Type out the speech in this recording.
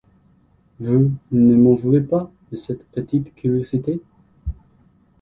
Vous ne m'en voulez pas de cette petite curiosité ?